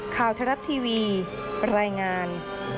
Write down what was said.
ข่าวทรัพย์ทีวีปรายงาน